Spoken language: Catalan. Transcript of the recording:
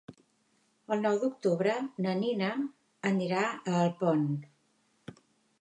El nou d'octubre na Nina anirà a Alpont.